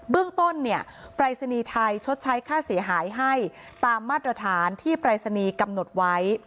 เรื่องต้นเนี่ยปรายศนีย์ไทยชดใช้ค่าเสียหายให้ตามมาตรฐานที่ปรายศนีย์กำหนดไว้